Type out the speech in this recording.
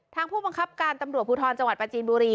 ผู้บังคับการตำรวจภูทรจังหวัดประจีนบุรี